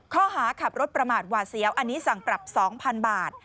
ข้อหาขับรถประมาทหวาเสียวอันนี้สั่งปรับ๒๐๐๐บาท